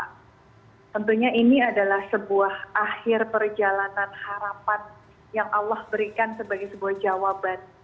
tentunya ini adalah sebuah akhir perjalanan harapan yang allah berikan sebagai sebuah jawaban